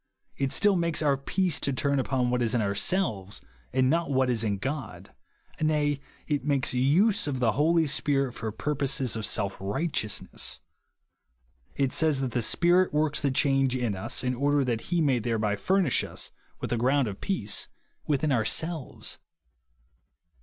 It still makes our peace to turn upon what is in ourselves, and not on what is in God. Nay, it makes use of the Holy Spirit for purposes of self righteousness. It says that the Spirit works the change in us, in order that he may thereby fur nish us with a ground of peace within ourselves.